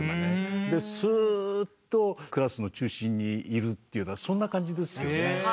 ですっとクラスの中心にいるというようなそんな感じですよね。